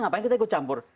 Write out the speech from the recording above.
ngapain kita ikut campur